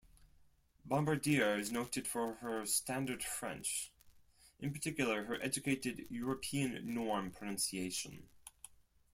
Bombardier is noted for her standard French, in particular her educated, European-norm pronunciation.